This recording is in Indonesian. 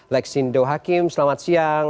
lexindo hakim selamat siang